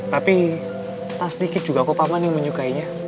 tapi tak sedikit juga kok paman yang menyukainya